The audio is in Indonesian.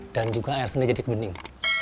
dan juga air sendiri jadi bening